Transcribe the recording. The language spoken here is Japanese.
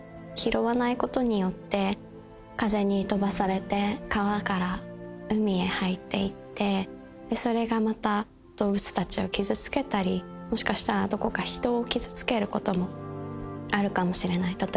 拾わないことによって風に飛ばされて川から海へ入っていってそれがまた動物たちを傷つけたりもしかしたら人を傷つけることもあるかもしれない。